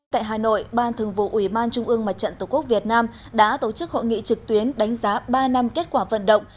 tại hà nội ban thường vụ ủy ban trung ương mặt trận tổ quốc việt nam đã tổ chức hội nghị trực tuyến đánh giá ba năm kết quả vận động